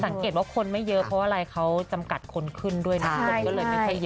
สังเกตว่าคนไม่เยอะเพราะว่าอะไรก็ต้องจำกัดคนขึ้นเลยนะคะ